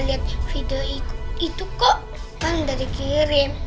lihat video itu itu kok kan dari kirim